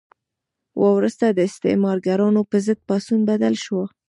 وروسته د استثمارګرانو په ضد پاڅون بدل شو.